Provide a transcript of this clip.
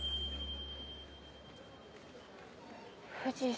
富士山。